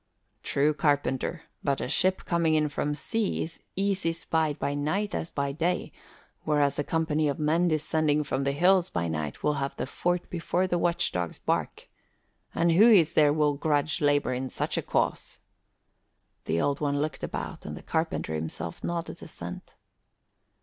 "True, carpenter, but a ship coming in from sea is as easy spied by night as by day, whereas a company of men descending from the hills by night will have the fort before the watchdogs bark. And who is there will grudge labour in such a cause?" The Old One looked about and the carpenter himself nodded assent.